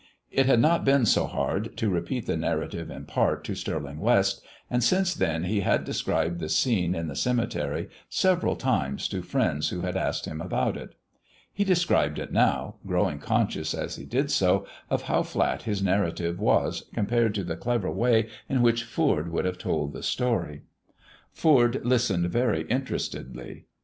It had not been so hard to repeat the narrative in part to Stirling West, and since then he had described the scene in the cemetery several times to friends who had asked him about it. He described it now, growing conscious as he did so of how flat his narrative was compared to the clever way in which Foord would have told the story. Foord listened very interestedly.